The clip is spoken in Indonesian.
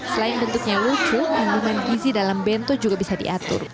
selain bentuknya lucu kandungan gizi dalam bento juga bisa diatur